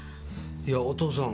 いやお父さん。